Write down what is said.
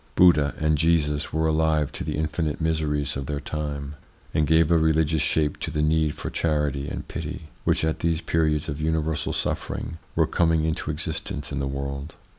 Buddha and Jesus were alive to the infinite miseries of their time, and gave a religious shape to the need for charity and pity, which, at these periods of universal suffering, were coming into existence in the world.